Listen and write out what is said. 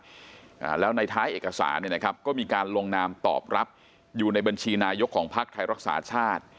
อ่าแล้วในท้ายเอกสารเนี่ยนะครับก็มีการลงนามตอบรับอยู่ในบัญชีนายกของพักไทยรักษาชาติ